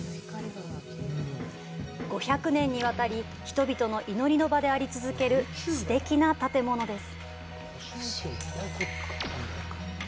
５００年にわたり、人々の祈りの場であり続ける、すてきな建物です。